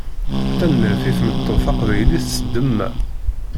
Tanemmirt i tmeṭṭut taqbaylit s demma.